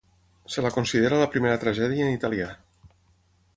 Se la considera la primera tragèdia en italià.